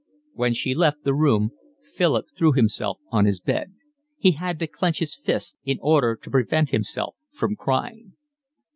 When she left the room Philip threw himself on his bed. He had to clench his fists in order to prevent himself from crying.